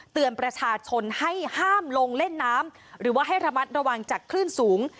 เตือนประชาชนให้ห้ามลงเล่นน้ำหรือว่าให้ระมัดระวังจากคลื่นสูง